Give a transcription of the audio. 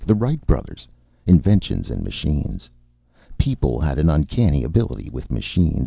The Wright brothers. Inventions and machines. People had an uncanny ability with machines.